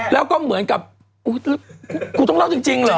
แล้วก็เหมือนกับกูต้องเล่าจริงเหรอ